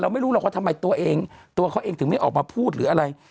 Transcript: ไม่รู้หรอกว่าทำไมตัวเองตัวเขาเองถึงไม่ออกมาพูดหรืออะไร